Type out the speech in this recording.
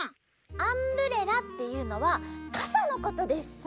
アンブレラっていうのはかさのことです。